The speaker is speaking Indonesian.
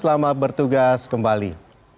selamat bertugas kembali